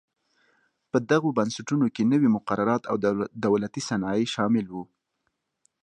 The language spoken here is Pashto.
په دغو بنسټونو کې نوي مقررات او دولتي صنایع شامل و.